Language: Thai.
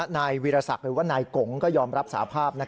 นายวิรสักหรือว่านายกงก็ยอมรับสาภาพ